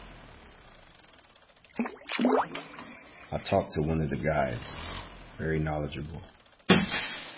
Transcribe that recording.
I talked to one of the guides – very knowledgeable.